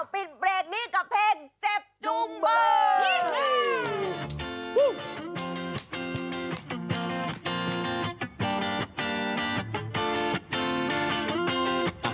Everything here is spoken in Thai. ปิดเบรกนี้กับเพลงเจ็บจูงเบอร์